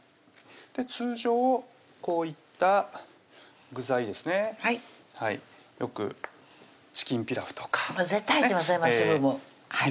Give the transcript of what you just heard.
通常こういった具材ですねよくチキンピラフとか絶対入ってますね